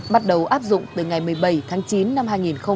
bắt đầu áp dụng từ ngày một mươi bảy tháng chín năm hai nghìn một mươi tám